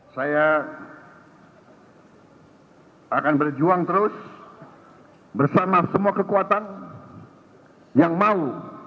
saya akan berjuang terus bersama semua kekuatan yang mau